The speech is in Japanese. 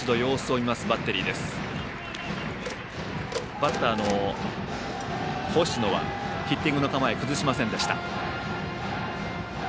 バッターの星野はヒッティングの構え崩しませんでした。